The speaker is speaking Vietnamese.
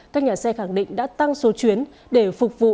các nhà xe khẳng định đã tăng số chuyến để phục vụ